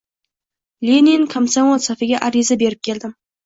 Le-nin komsomol safiga ariza berib kirdim.